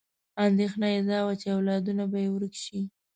اندېښنه یې دا وه چې اولادونه به یې ورک شي.